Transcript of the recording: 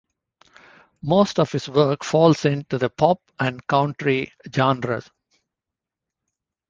Most of his work falls into the pop and country genres.